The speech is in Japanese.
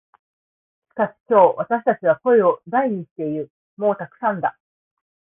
しかし今日、私たちは声を大にして言う。「もうたくさんだ」。